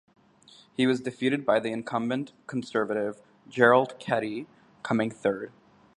He was defeated by the incumbent, Conservative Gerald Keddy, coming third.